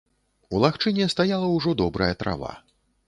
У лагчыне стаяла ўжо добрая трава.